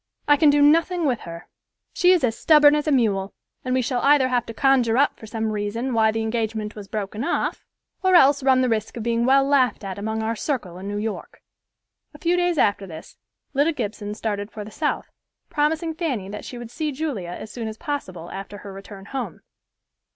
"I can do nothing with her. She is as stubborn as a mule, and we shall either have to conjure up for some reason why the engagement was broken off, or else run the risk of being well laughed at among our circle in New York." A few days after this, Lida Gibson started for the South, promising Fanny that she would see Julia as soon as possible after her return home.